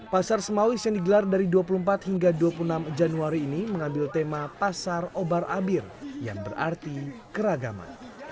pasar semawis yang digelar dari dua puluh empat hingga dua puluh enam januari ini mengambil tema pasar obar abir yang berarti keragaman